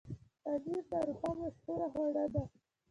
پنېر د اروپا مشهوره خواړه ده.